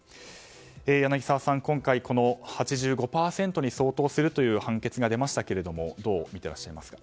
柳澤さん、今回８５％に相当するという判決が出ましたがどう見ていらっしゃいますか。